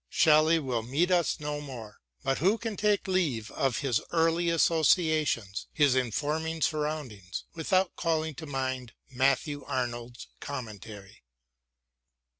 Shelley will meet us no more, but who can take leave of his early associations, his informing surroundings, without calling to mind Matthew Arnold's commentary